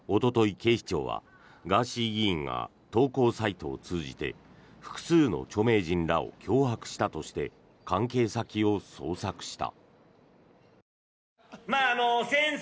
警視庁はガーシー議員が投稿サイトを通じて複数の著名人らを脅迫したとして関係先を捜索した。